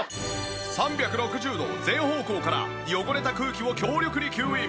３６０度全方向から汚れた空気を強力に吸引。